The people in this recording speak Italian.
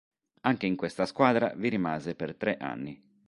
Anche in questa squadra vi rimase per tre anni.